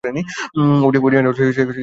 ODI না হলেও সেগুলো লিস্ট এ ক্রিকেটের ছিল।